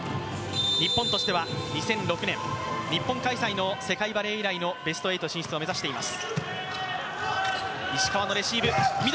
日本としては２００６年、日本開催の世界バレー以来のベスト８進出を目指しています。